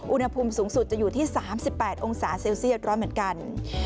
อุณหภูมิสูงสุดจะอยู่ที่๓๘องศาเซลเซียตร้อนเหมือนกัน